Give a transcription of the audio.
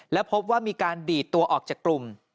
และพบว่ามีการดีดตัวออกจากกลุ่ม